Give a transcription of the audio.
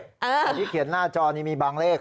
แต่ที่เขียนหน้าจอนี้มีบางเลข